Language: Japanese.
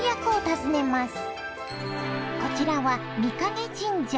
こちらは御金神社。